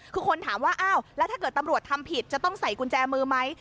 คือคนถามว่าอ้าวแล้วถ้าเกิดตำรวจทำผิดจะต้องใส่กุญแจมือไหม